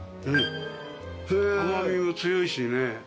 甘味も強いしね。